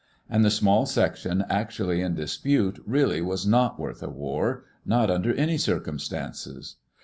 And the small section actually in dis pute really was not worth a war — not under any circum stances.